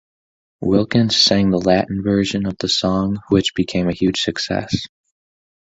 Wilkins sang the Latin version of the song, which became a huge success.